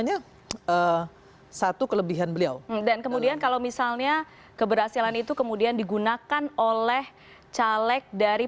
itu satu kelebihan beliau dan kemudian kalau misalnya keberhasilan itu kemudian digunakan oleh caleg dari